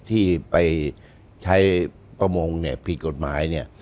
ที่ไปใช้ประมงเนี่ยผิดกฎหมายเนี่ย